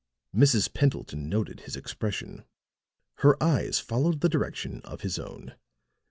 Mrs. Pendleton noted his expression; her eyes followed the direction of his own.